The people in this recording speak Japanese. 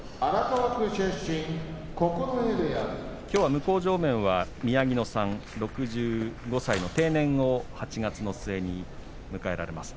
向正面は宮城野さん６５歳の定年を８月の末に迎えられます。